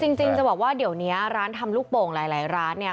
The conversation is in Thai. จริงจะบอกว่าเดี๋ยวนี้ร้านทำลูกโป่งหลายร้านเนี่ย